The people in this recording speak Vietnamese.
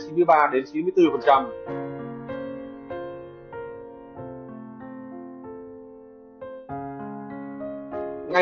ngay cả khi được tiêm chủng